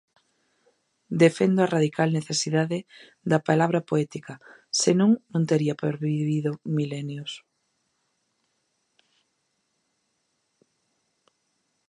Defendo a radical necesidade da palabra poética, senón non tería pervivido milenios.